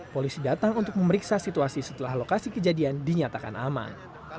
polisi datang untuk memeriksa situasi setelah lokasi kejadian dinyatakan aman